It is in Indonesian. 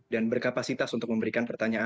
berkapasitas untuk memberikan pertanyaan